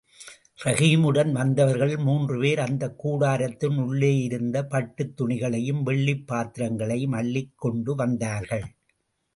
ரஹீமுடன் வந்தவர்களில் மூன்று பேர் அந்தக் கூடாரத்தின் உள்ளேயிருந்து பட்டுத் துணிகளையும் வெள்ளிப் பாத்திரங்களையும் அள்ளிக் கொண்டு வந்தார்கள்.